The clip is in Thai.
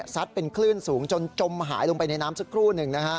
เป็นคลื่นสูงจนจมหายลงไปในน้ำสักครู่หนึ่งนะฮะ